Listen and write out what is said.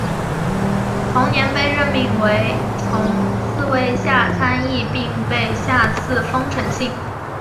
同年被任命为从四位下参议并被下赐丰臣姓。